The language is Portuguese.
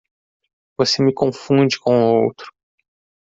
Você me confunde com outro.